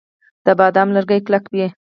د بادام لرګي کلک وي.